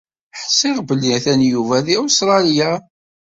Ḥṣiɣ belli atan Yuba di Ustralya.